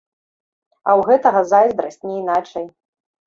А ў гэтага зайздрасць, не іначай.